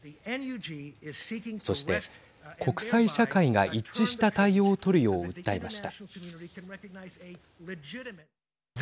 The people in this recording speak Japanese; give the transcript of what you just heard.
そして、国際社会が一致した対応を取るよう訴えました。